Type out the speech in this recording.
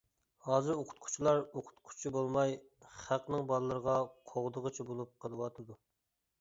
ھازىر ئوقۇتقۇچىلار ئوقۇتقۇچى بولماي، خەقنىڭ بالىلىرىغا قوغدىغۇچى بولۇپ قىلىۋاتىدۇ.